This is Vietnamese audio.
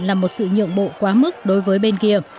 là một sự nhượng bộ quá mức đối với bên kia